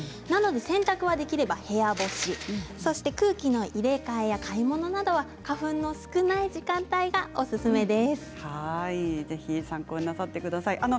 なので洗濯はできれば部屋干しそして空気の入れ替えや買い物は花粉が少ない時間帯がぜひ参考になさってください。